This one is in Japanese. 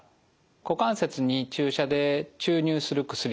股関節に注射で注入する薬です。